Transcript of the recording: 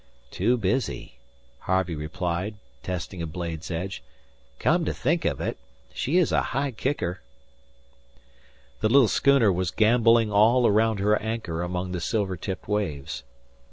"Too busy," Harvey replied, testing a blade's edge. "Come to think of it, she is a high kicker." The little schooner was gambolling all around her anchor among the silver tipped waves.